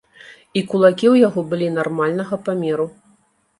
І кулакі ў яго былі нармальнага памеру.